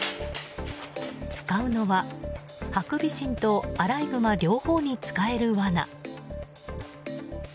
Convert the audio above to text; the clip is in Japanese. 使うのはハクビシンとアライグマ両方に使える、わな。